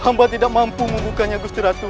hamba tidak mampu membukanya gusti ratu